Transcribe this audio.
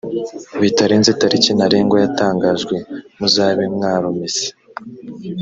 bitarenze itariki ntarengwa yatangajwe muzabe mwaromese